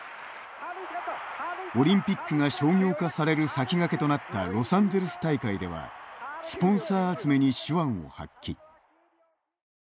オリンピックが商業化される先駆けとなったロサンゼルス大会ではスポンサー集めに手腕を発揮。